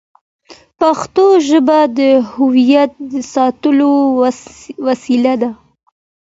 پښتو ژبه د هویت ساتلو وسیله ده.